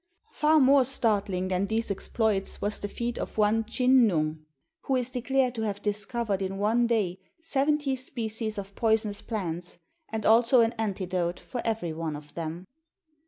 Far more startling than these exploits was the feat of one Chin nung, who is declared to have discovered in one day seventy species of poisonous plants and also an antidote for every one of them.